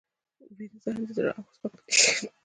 ویده ذهن د زړه آواز ته غوږ نیسي